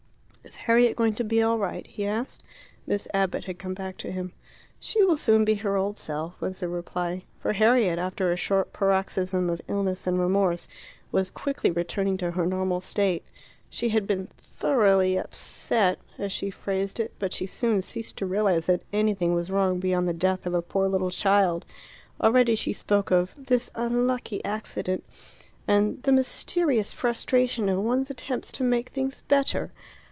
"Is Harriet going to be all right?" he asked. Miss Abbott had come back to him. "She will soon be her old self," was the reply. For Harriet, after a short paroxysm of illness and remorse, was quickly returning to her normal state. She had been "thoroughly upset" as she phrased it, but she soon ceased to realize that anything was wrong beyond the death of a poor little child. Already she spoke of "this unlucky accident," and "the mysterious frustration of one's attempts to make things better."